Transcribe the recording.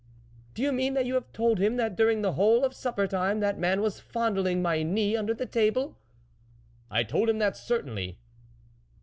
" Do you mean that you have told him that during the whole of supper time that man was fondling my knee under the table ?"" I told him that, certainly."